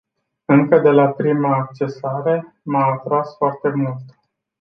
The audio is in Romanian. Încă de la prima accesare m-a atras foarte mult.